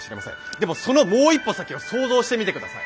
でもそのもう一歩先を想像してみてください。